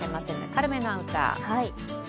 軽めのアウター。